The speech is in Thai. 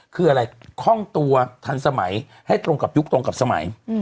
คืออะไรคล่องตัวทันสมัยให้ตรงกับยุคตรงกับสมัย